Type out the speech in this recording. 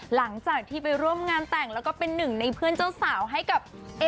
หลังจากที่ไปร่วมงานแต่งแล้วก็เป็นหนึ่งในเพื่อนเจ้าสาวให้กับ